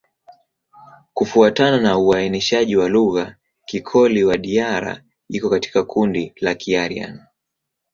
Kufuatana na uainishaji wa lugha, Kikoli-Wadiyara iko katika kundi la Kiaryan.